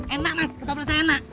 enak mas toto saya enak